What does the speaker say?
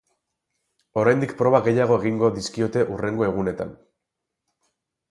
Oraindik proba gehiago egingo dizkiote hurrengo egunetan.